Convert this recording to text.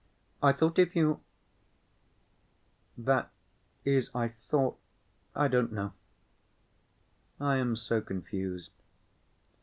I thought if you ... that is I thought ... I don't know. I am so confused.